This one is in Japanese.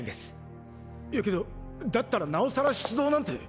いやけどだったらなおさら出動なんて。